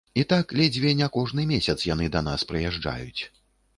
І так ледзьве не кожны месяц яны да нас прыязджаюць.